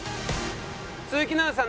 鈴木奈々さん